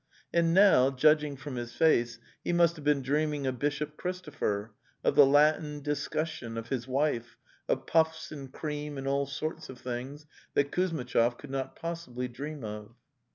... And now, judging from his face, he must have been dreaming of Bishop Christopher, of the Latin discussion, of his wife, of puffs and cream and all sorts of things that Kuzmitchov could not possibly dream of.